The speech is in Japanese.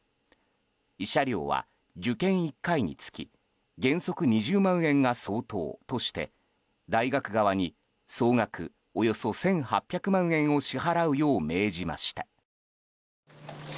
慰謝料は受験１回につき原則２０万円が相当として大学側に総額およそ１８００万円を支払うよう命じました。